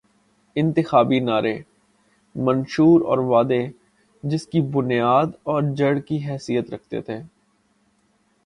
انتخابی نعرے، منشور اور وعدے، جس کی بنیاداور جڑ کی حیثیت رکھتے تھے۔